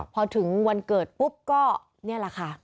พอถึงวันเกิดปุ๊บก็นี่แหละค่ะ